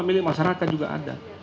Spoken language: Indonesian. milik masyarakat juga ada